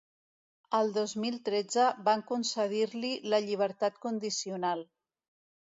El dos mil tretze van concedir-li la llibertat condicional.